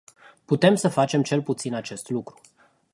Putem să facem cel puțin acest lucru.